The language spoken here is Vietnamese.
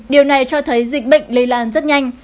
điều này cho thấy dịch bệnh lây lan rất nhanh